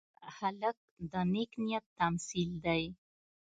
هلک د نیک نیت تمثیل دی.